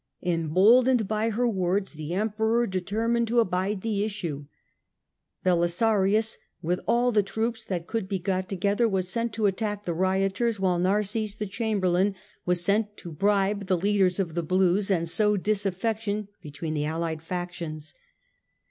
Emboldened by her words, the Emperor determined to abide the issue. BeJisaruia,. with all the troops that could be got together, was sent to attack the rioters, while parses, the chamberlain, was sent to bribe the leaders of the blues and sow disaffection between the allied factions.